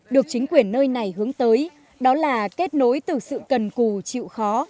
được chính quyền nơi này hướng tới đó là kết nối từ sự cần cù chịu khó